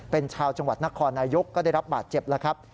เป็นชาวจังหวัดนครนายกก็ได้รับบาดเจ็บแล้วครับ